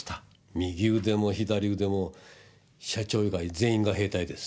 右腕も左腕も社長以外全員が兵隊です。